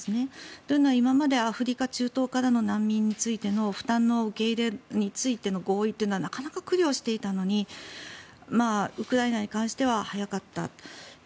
というのは、今までアフリカ、中東からの難民について負担の受け入れについての合意というのはなかなか苦慮していたのにウクライナに関しては早かった。